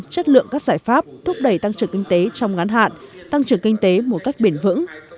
chất lượng các giải pháp thúc đẩy tăng trưởng kinh tế trong ngắn hạn tăng trưởng kinh tế một cách bền vững